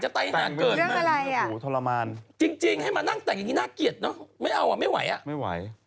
จริงให้มานั่งแต่งอย่างนี้น่าเกลียดเนาะไม่เอาะไม่ไหวอะ